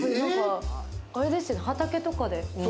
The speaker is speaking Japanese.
あれですよね、畑とかで。